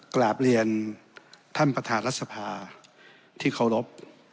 กราบเรียนท่านประธานรัฐสภาที่เคารพ